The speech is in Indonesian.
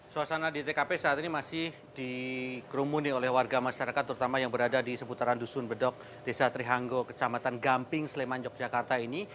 suasana di tkp saat ini masih dikerumuni oleh warga masyarakat terutama yang berada di seputaran dusun bedok desa trihanggo kecamatan gamping sleman yogyakarta ini